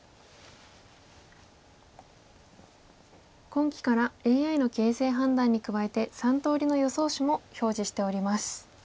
今期からＡＩの形勢判断に加えて３通りの予想手も表示しております。